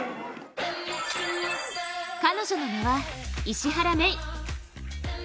彼女の名は石原愛依。